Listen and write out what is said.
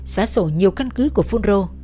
xóa sổ nhiều căn cứ của phun rô